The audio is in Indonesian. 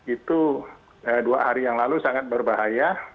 itu dua hari yang lalu sangat berbahaya